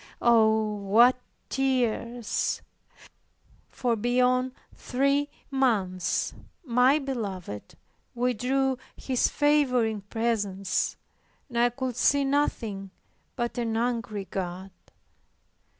Oh, what tears! For beyond three months my Beloved withdrew His favoring presence, and I could see nothing but an angry God.